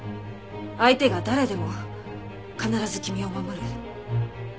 相手が誰でも必ず君を守る。